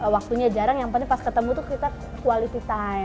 waktunya jarang yang penting pas ketemu tuh kita quality time